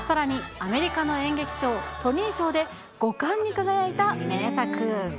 アメリカの演劇賞、トニー賞で５冠に輝いた名作。